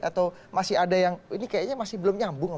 atau masih ada yang ini kayaknya masih belum nyambung